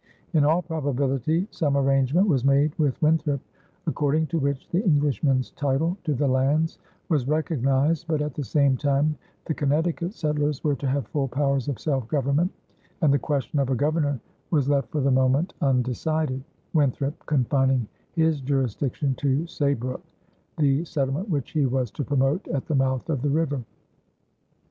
In all probability some arrangement was made with Winthrop, according to which the Englishmen's title to the lands was recognized but at the same time the Connecticut settlers were to have full powers of self government, and the question of a governor was left for the moment undecided, Winthrop confining his jurisdiction to Saybrook, the settlement which he was to promote at the mouth of the river.